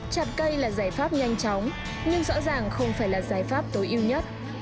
chặt cây là giải pháp nhanh chóng nhưng rõ ràng không phải là giải pháp tối ưu nhất